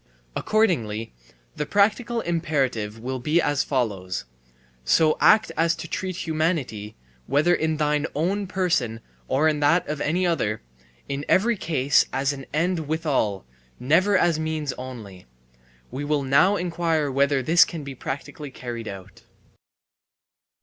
Accordingly the practical imperative will be as follows: So act as to treat humanity, whether in thine own person or in that of any other, in every case as an end withal, never as means only. We will now inquire whether this can be practically carried out.